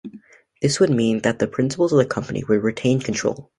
This would mean that the principals of the company would retain control.